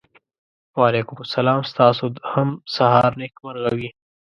وعلیکم سلام ستاسو د هم سهار نېکمرغه وي.